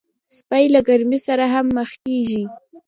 سپي له ګرمۍ سره هم مخ کېږي.